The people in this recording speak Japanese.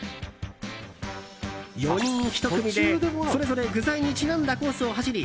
４人１組で、それぞれ具材にちなんだコースを走り